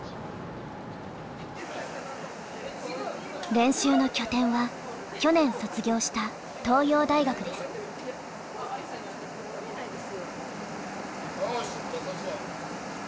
練習の拠点は去年卒業した東洋大学です。